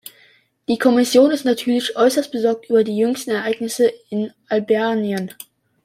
Die Kommission ist natürlich äußerst besorgt über die jüngsten Ereignisse in Albanien.